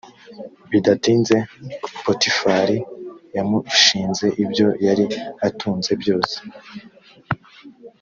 bidatinze potifari yamushinze ibyo yari atunze byose